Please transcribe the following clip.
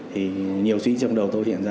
thì nhiều suy nghĩ trong đầu tôi hiện ra